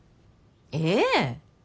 ええ。